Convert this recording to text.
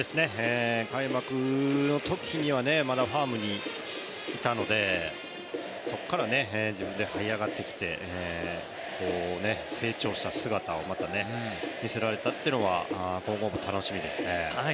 開幕のときには、まだファームにいたのでそこから、自分で這い上がってきて、成長した姿をまた見せられたというのは今後も楽しみですね。